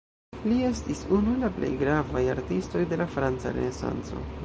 Li estis unu el la plej gravaj artistoj de la franca Renesanco.